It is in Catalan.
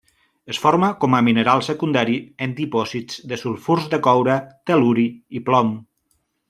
Es forma com a mineral secundari en dipòsits de sulfurs de coure, tel·luri i plom.